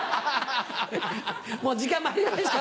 もう時間まいりました。